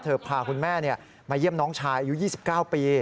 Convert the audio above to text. พาคุณแม่มาเยี่ยมน้องชายอายุ๒๙ปี